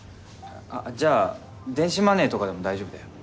あじゃあ電子マネーとかでも大丈夫だよ。